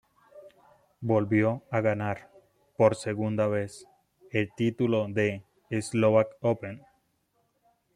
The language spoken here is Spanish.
Volvió a ganar, por segunda vez, el título del Slovak Open.